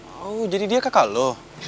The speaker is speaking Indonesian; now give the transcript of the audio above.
oh jadi dia kakak lo